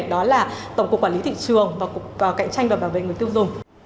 đó là tổng cục quản lý thị trường và cục cạnh tranh và bảo vệ người tiêu dùng